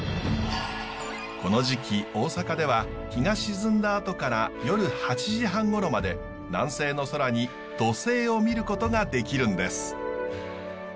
この時期大阪では日が沈んだあとから夜８時半頃まで南西の空に土星を見ることができるんです。